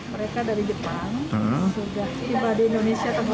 mereka dari jepang sudah tiba di indonesia tahun dua ribu sembilan